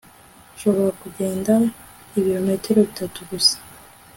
Nshobora kugenda ibirometero bitatu gusa